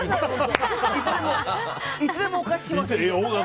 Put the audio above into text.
いつでもお貸しします。